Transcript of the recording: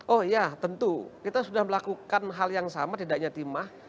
oh ya tentu kita sudah melakukan hal yang sama tidak hanya timah